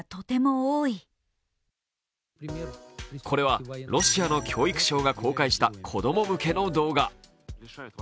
これはロシアの教育省が公開した子供向けの動画。